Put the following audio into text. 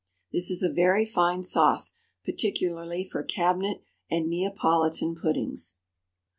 This is a very fine sauce, particularly for cabinet and Neopolitan puddings.